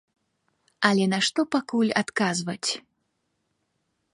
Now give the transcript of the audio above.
Але на што пакуль адказваць?